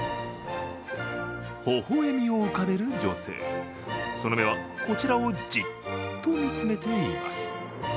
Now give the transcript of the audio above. ほほ笑みを浮かべる女性、その目はこちらをジッと見つめています。